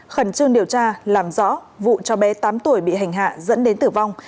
khẩn trương điều tra làm rõ vụ cho bé tám tuổi bị hành hạ dẫn đến tử vong